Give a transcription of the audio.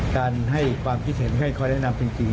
การให้ความคิดเห็นให้คอยแนะนำจริง